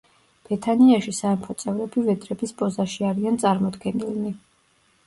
ბეთანიაში სამეფო წევრები ვედრების პოზაში არიან წარმოდგენილნი.